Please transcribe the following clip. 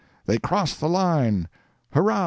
they cross the line; hurrah!